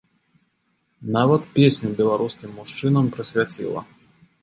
Нават песню беларускім мужчынам прысвяціла.